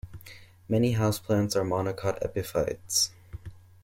Many houseplants are monocot epiphytes.